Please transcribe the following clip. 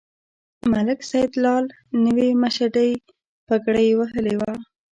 ملک سیدلال نوې مشدۍ پګړۍ وهلې وه.